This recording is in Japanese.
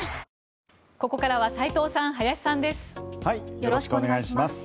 よろしくお願いします。